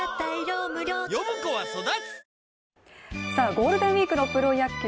ゴールデンウイークのプロ野球